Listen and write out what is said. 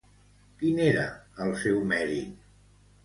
Quin era el seu mèrit?